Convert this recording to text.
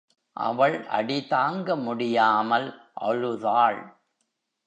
அவள் அடி தாங்க முடியாமல் அழுதாள்.